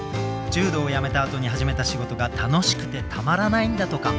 柔道をやめたあとに始めた仕事が楽しくてたまらないんだとか。